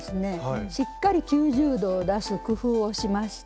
しっかり９０度を出す工夫をしました。